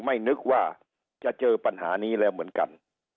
ไม่นึกว่าจะเจอปัญหานี้แล้วเหมือนกัน